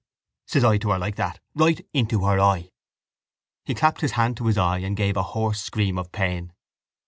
—Phth! says I to her like that, right into her eye. He clapped his hand to his eye and gave a hoarse scream of pain.